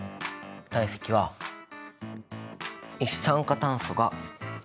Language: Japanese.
体積は一酸化炭素が６ｍＬ。